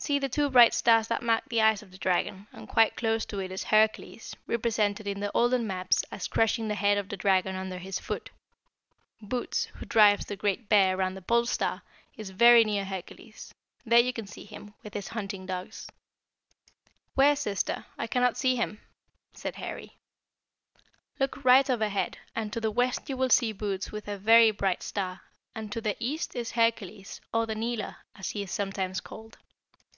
"See the two bright stars that mark the eyes of the Dragon, and quite close to it is Hercules, represented in the olden maps as crushing the head of the dragon under his foot. Bootes, who drives the Great Bear around the Pole Star, is very near Hercules. There you can see him, with his hunting dogs." [Illustration: BOOTES AND HIS HUNTING DOGS.] "Where, sister? I cannot see him," said Harry. "Look right overhead, and to the west you will see Bootes with a very bright star; and to the east is Hercules, or the Kneeler, as he is sometimes called.